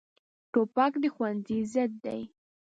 توپک د ښوونځي ضد دی.